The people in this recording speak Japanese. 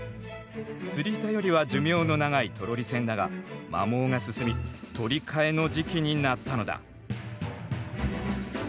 すり板よりは寿命の長いトロリ線だが摩耗が進み取り替えの時期になったのだ。